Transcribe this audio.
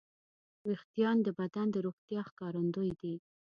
وېښتيان د بدن د روغتیا ښکارندوی دي.